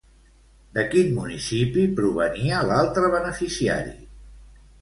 De quin municipi provenia l'altre beneficiari?